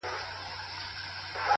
چي د عقل فکر لاس پکښي تړلی-